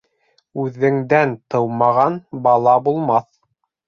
Үҙеңдән тыумаған бала булмаҫ.